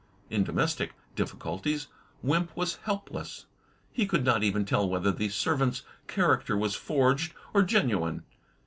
In domestic difficulties Wimp was helpless. He could not even tell whether the servant's "character" was forged or genuine.